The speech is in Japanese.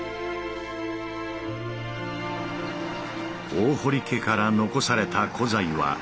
大堀家から残された古材は６０本。